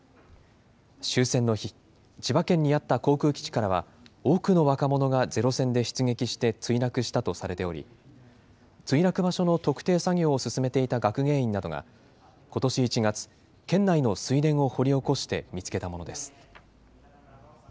終戦の日、千葉県にあった航空基地からは、多くの若者がゼロ戦で出撃して墜落したとされており、墜落場所の特定作業を進めていた学芸員などが、ことし１月、県内の水田を掘り起こして見つけたものです。